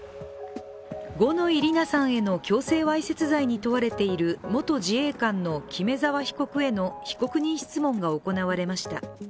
五ノ井里奈さんへの強制わいせつ罪に問われている元自衛官の木目沢被告に対しての被告人質問が行われました。